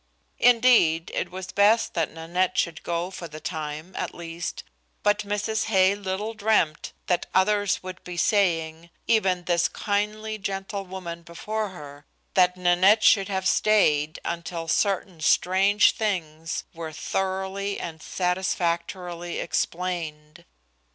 Indeed, it was best that Nanette should go for the time, at least, but Mrs. Hay little dreamed that others would be saying even this kindly, gentle woman before her that Nanette should have stayed until certain strange things were thoroughly and satisfactorily explained.